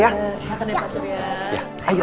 ya silahkan ya pak surya